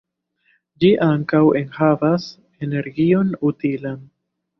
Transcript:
Ĝi ankaŭ enhavas energion utilan.